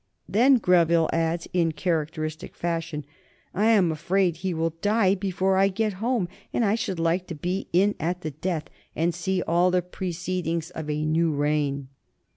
Then Greville adds, in characteristic fashion: "I am afraid he will die before I get home, and I should like to be in at the death, and see all the proceedings of a new reign."